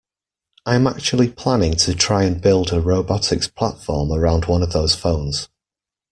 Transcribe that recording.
I'm actually planning to try and build a robotics platform around one of those phones.